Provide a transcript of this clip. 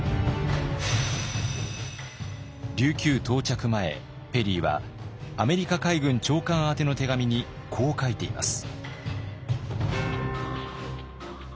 琉球到着前ペリーはアメリカ海軍長官宛ての手紙にこう書いています。